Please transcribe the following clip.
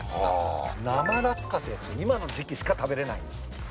生落花生って今の時期しか食べられないんです。